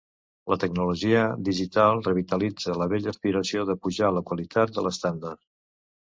La tecnologia digital revitalitza la vella aspiració de pujar la qualitat de l'estàndard.